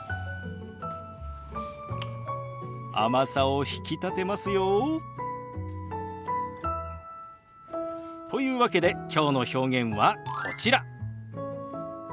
甘さを引き立てますよ。というわけできょうの表現はこちら。